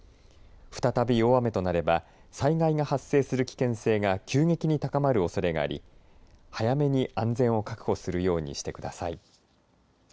再び大雨となれば災害が発生する危険性が急激に高まるおそれがあり早めに安全を確保するようにしてください。